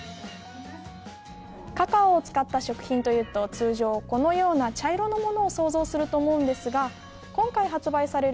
カカオ使った食品というと通常、このような茶色のものを想像すると思うんですが今回、発売される